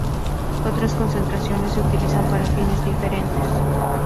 Otras concentraciones se utilizan para fines diferentes.